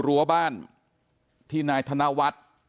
รั้วบ้านที่นายธนวัฒน์